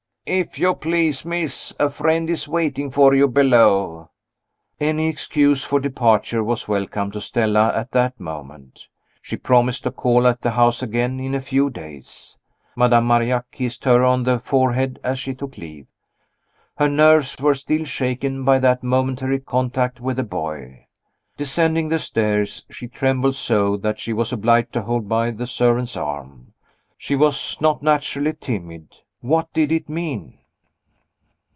"If you please, miss, a friend is waiting for you below." Any excuse for departure was welcome to Stella at that moment. She promised to call at the house again in a few days. Madame Marillac kissed her on the forehead as she took leave. Her nerves were still shaken by that momentary contact with the boy. Descending the stairs, she trembled so that she was obliged to hold by the servant's arm. She was not naturally timid. What did it mean?